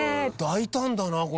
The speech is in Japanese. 大胆だな